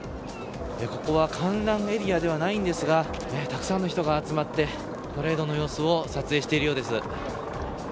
ここは観覧エリアではないんですがたくさんの人が集まってパレードの様子を撮影しているようです。